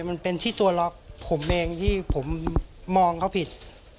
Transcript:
มันเป็นที่ตัวล็อกผมเองที่ผมมองเขาผิด